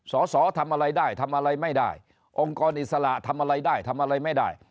สสทำอะไรได้ทำอะไรไม่ได้องค์กรอิสระทำอะไรได้ทำอะไรไม่ได้